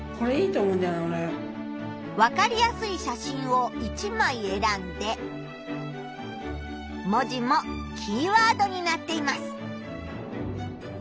わかりやすい写真を１まいえらんで文字もキーワードになっています。